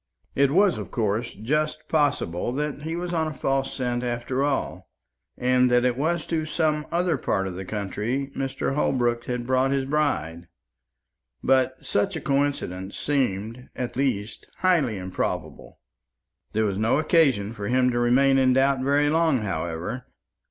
It was, of course, just possible that he was on a false scent after all, and that it was to some other part of the country Mr. Holbrook had brought his bride; but such a coincidence seemed, at the least, highly improbable. There was no occasion for him to remain in doubt very long, however.